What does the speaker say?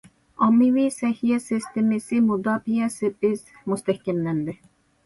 ئاممىۋى سەھىيە سىستېمىسى مۇداپىئە سېپى مۇستەھكەملەندى.